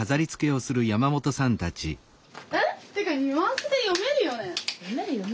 っていうかニュアンスで読めるよね？